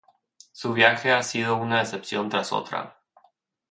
Su viaje ha sido una decepción tras otra.